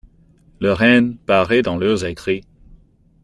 Leur haine paraît dans leurs écrits.